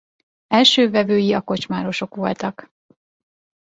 Első vevői a kocsmárosok voltak.